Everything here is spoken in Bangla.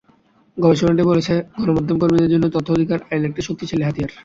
গবেষণাটি বলছে, গণমাধ্যমকর্মীদের জন্য তথ্য অধিকার আইন একটি শক্তিশালী হাতিয়ার।